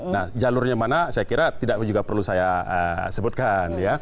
nah jalurnya mana saya kira tidak juga perlu saya sebutkan